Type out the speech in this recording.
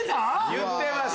言ってます！